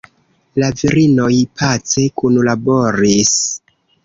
La virinoj pace kunlaboris.